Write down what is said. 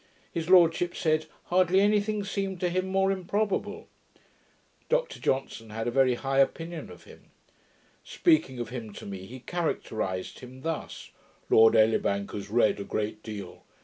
His lordship said, 'hardly any thing seemed to him more improbable'. Dr Johnson had a very high opinion of him. Speaking of him to me, he characterized him thus: 'Lord Elibank has read a great deal.